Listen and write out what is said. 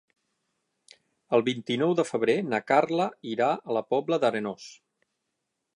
El vint-i-nou de febrer na Carla irà a la Pobla d'Arenós.